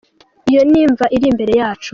iyo ni imva iri imbere yacu.